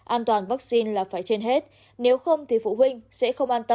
an toàn vắc xin là phải trên hết nếu không thì phụ huynh sẽ không an tâm